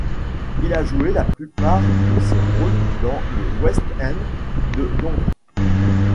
Il a joué la plupart de ses rôles dans le West End de Londres.